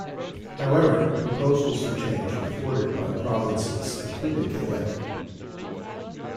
However, proposals for change were thwarted by the provinces, including Quebec.